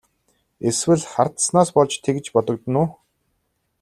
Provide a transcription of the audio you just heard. Эсвэл хардсанаас болж тэгж бодогдоно уу?